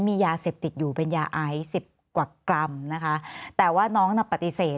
มียาเสพติดอยู่เป็นยาไอซ์สิบกว่ากรัมนะคะแต่ว่าน้องน่ะปฏิเสธ